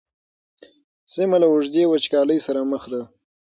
سیمه له اوږدې وچکالۍ سره مخ ده.